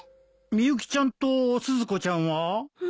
みゆきちゃんとスズコちゃんは？